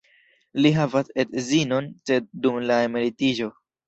Li havas edzinon, sed dum la emeritiĝo.